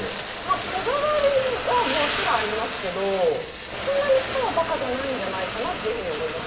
こだわりはもちろんありますけどそんなに舌はバカじゃないんじゃないかと思います。